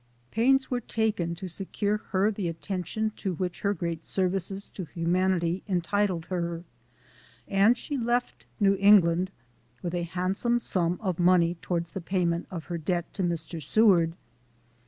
" Pains were taken to secure her the attention to which her great services to humanity entitled her, and she left New England with a handsome sum of money towards the payment of her debt to Mr. Seward.